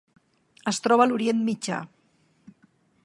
Es troba a l'Orient Mitjà: